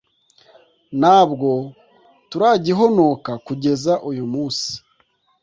nta bwo turagihonoka kugeza uyu munsi